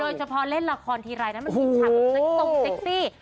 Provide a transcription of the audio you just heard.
โดยเฉพาะเล่นลักษณ์ทีรายมันเป็นกิจฉากตรงเซ็กซี่